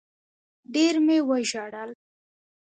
ډېر مي وژړل